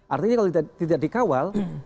artinya kalau tidak dikawal